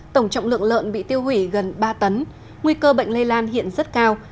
tổng trọng lượng lợn bị tiêu hủy gần ba tấn nguy cơ bệnh lây lan hiện rất cao